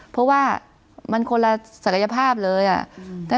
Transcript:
เพราะว่ามันคนละศักยภาพเลยอะ